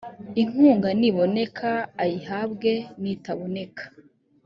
inkunga niboneka ayihabwe nitaboneka